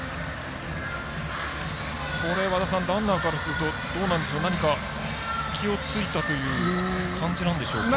これはランナーからすると何か、隙を突いたという感じなんでしょうか。